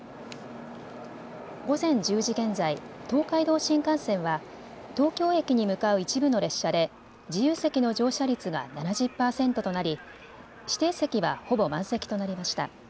午前１０時現在、東海道新幹線は東京駅に向かう一部の列車で自由席の乗車率が７０％となり指定席は、ほぼ満席となりました。